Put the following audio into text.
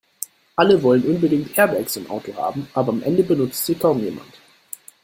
Alle wollen unbedingt Airbags im Auto haben, aber am Ende benutzt sie kaum jemand.